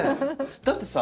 だってさ